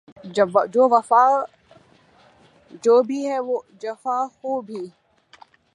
وہ حیلہ گر جو وفا جو بھی ہے جفاخو بھی